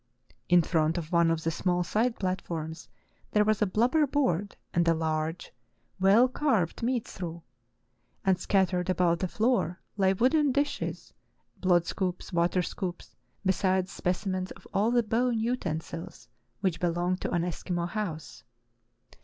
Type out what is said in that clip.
In front of one of the small side platforms there was a blubber board and a large, well carved meat trough, and scattered about the floor lay wooden dishes, blood scoops, water scoops, besides specimens of all the bone utensils which belong to an Eskimo house.